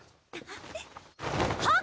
あっ。